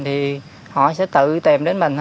thì họ sẽ tự tìm đến mình thôi